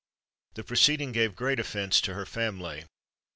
The proceeding gave great offence to her family.